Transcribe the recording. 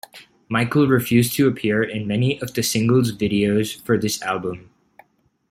Michael refused to appear in many of the singles' videos for this album.